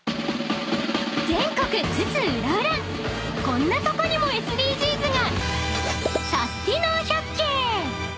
［全国津々浦々こんなとこにもＳＤＧｓが！］